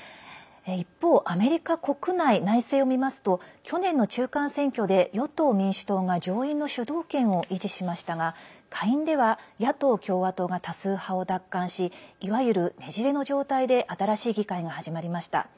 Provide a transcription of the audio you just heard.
一方、アメリカ国内内政を見ますと去年の中間選挙で与党・民主党が上院の主導権を維持しましたが下院では野党・共和党が多数派を奪還しいわゆる、ねじれの状態で新しい議会が始まりました。